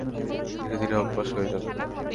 ধীরে ধীরে অভ্যাস হয়ে যাবে।